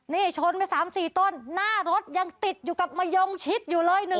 นี่ชนไป๓๔ต้นหน้ารถยังติดอยู่กับมะยงชิดอยู่เลย